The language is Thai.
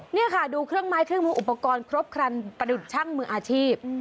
นี่ค่ะดูเครื่องไม้เครื่องมืออุปกรณ์ครบครันประดิษฐ์ช่างมืออาชีพ